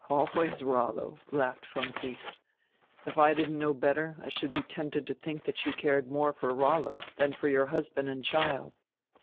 "Always Rollo," laughed von Briest. "If I didn't know better, I should be tempted to diink diat you cared more for Rollo dian for your husband and child."